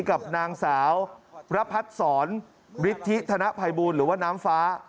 กับนางสาวประพัทธ์สอนบริฐิธนภัยบูรณ์หรือว่าน้ำฟ้า